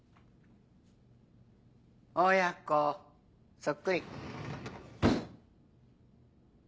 親子そっくり。